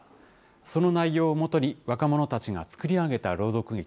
その内容をもとに、若者たちが作り上げた朗読劇。